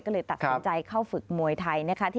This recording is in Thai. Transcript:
ก็เลยตัดสินใจเข้าฝึกมวยไทยนะคะ